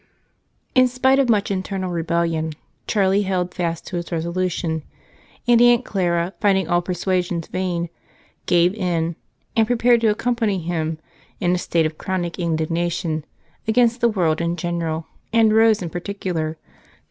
In spite of much internal rebellion, Charlie held fast to his resolution, and Aunt Clara, finding all persuasions vain, gave in and in a state of chronic indignation against the world in general and Rose in particular, prepared to accompany him.